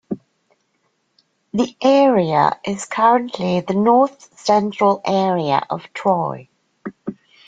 The area is currently the north-central area of Troy.